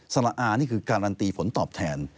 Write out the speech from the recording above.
ละอานี่คือการันตีผลตอบแทน